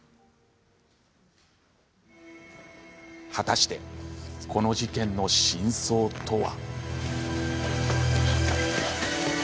果たして、この事件の真相とは。